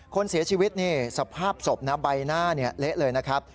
คนเสียชีวิตนี่สภาพศพนะใบหน้าเละเลยนะครับ